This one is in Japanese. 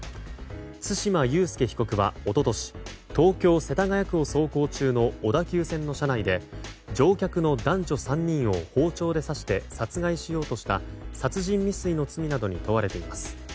対馬悠介被告は一昨年東京・世田谷区を走行中の小田急線の車内で乗客の男女３人を包丁で刺して殺害しようとした殺人未遂の罪などに問われています。